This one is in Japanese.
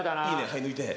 はい抜いて。